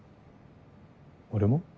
俺も？